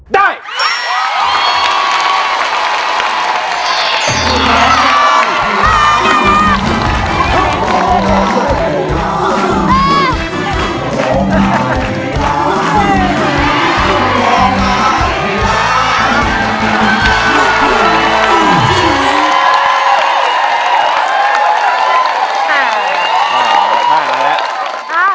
ได้แล้ว